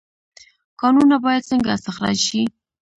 کانونه باید څنګه استخراج شي؟